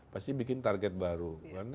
pasti bikin target baru